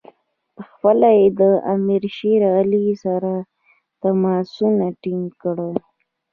پخپله یې له امیر شېر علي سره تماسونه ټینګ کړي.